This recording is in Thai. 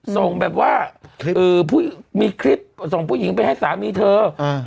ส่งแบบว่ามีคลิปส่งผู้หญิงไปให้สามีเธออ่า